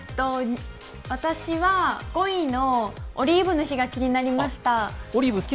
私は５位のオリーブの日が気になりました。